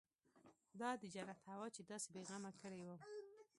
دا د جنت هوا چې داسې بې غمه کړى وم.